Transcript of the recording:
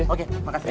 oke makasih ya